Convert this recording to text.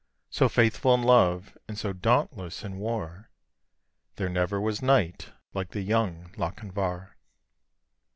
So faithful in love, and so dauntless in war, There never was knight like the young Lochinvar.